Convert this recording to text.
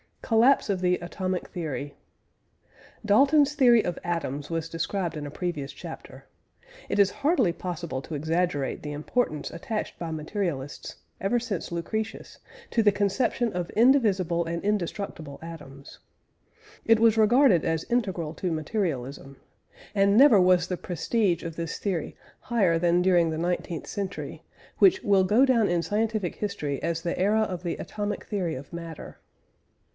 COLLAPSE OF THE ATOMIC THEORY. Dalton's theory of atoms was described in a previous chapter. It is hardly possible to exaggerate the importance attached by materialists, ever since Lucretius, to the conception of indivisible and indestructible atoms. It was regarded as integral to materialism, and never was the prestige of this theory higher than during the nineteenth century, which "will go down in scientific history as the era of the atomic theory of matter."